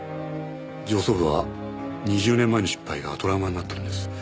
上層部は２０年前の失敗がトラウマになっているんです。